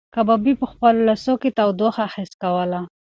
کبابي په خپلو لاسو کې تودوخه حس کوله.